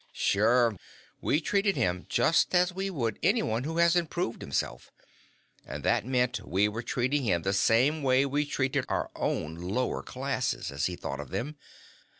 "Sure. We treated him just as we would anyone who hasn't proved himself. And that meant we were treating him the same way we treated our own 'lower classes', as he thought of them.